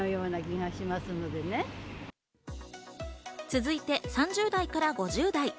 続いて３０代から５０代。